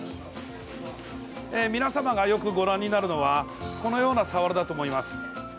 皆様がよくご覧になるのはこのようなサワラだと思います。